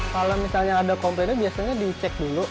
kalau misalnya ada komplainnya biasanya dicek dulu